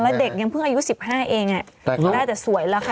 แล้วเด็กยังเพิ่งอายุ๑๕เองและมันแหละแต่สวยแล้วค่ะ